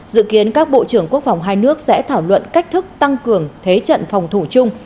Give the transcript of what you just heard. dự kiến các bộ trưởng quốc phòng hai nước sẽ thảo luận cách thức tăng cường thế trận phòng thủ chung